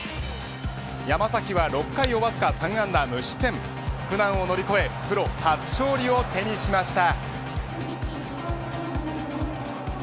山崎は６回をわずか３安打無失点苦難を乗り越えプロ初勝利を手にしました。